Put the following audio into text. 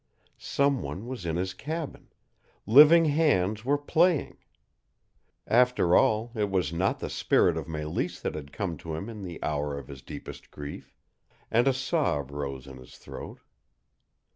Some one was in his cabin living hands were playing! After all it was not the spirit of Mélisse that had come to him in the hour of his deepest grief, and a sob rose in his throat.